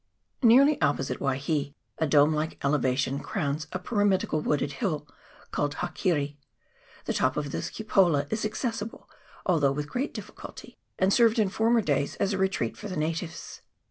Nearly opposite Waihi a dome like elevation crowns a pyramidical wooded hill, called Hakiri : the top of this cupola is accessible, although with great difficulty, and served in former days as a re treat for the natives.